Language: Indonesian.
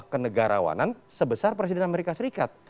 kenegarawanan sebesar presiden amerika serikat